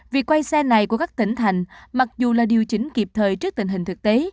việc quay xe này của các tỉnh thành mặc dù là điều chỉnh kịp thời trước tình hình thực tế